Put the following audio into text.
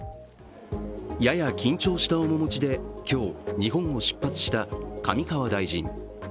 やや緊張した面持ちで今日日本を出発した上川大臣。